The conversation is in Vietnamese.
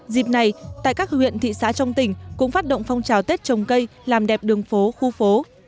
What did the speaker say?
dịp này tại các huyện thị xã trong tỉnh cũng phát động phong trào tết trồng cây làm đẹp đường phố khu phố